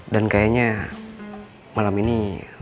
dan kayaknya malam ini